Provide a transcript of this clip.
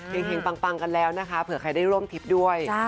เห็งปังกันแล้วนะคะเผื่อใครได้ร่วมทริปด้วย